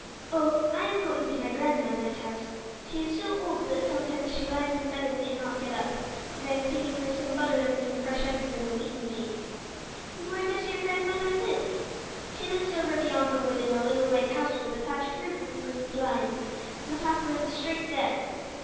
"Oh, I am going to my grandmother's house. She is so old that sometimes she lies in bed and cannot get up, and I am taking her some butter and some fresh eggs and a wheaten cake." "And where does your grandmother live?" "She lives over beyond the wood in a little white house with a thatched roof and green blinds, and the path runs straight there."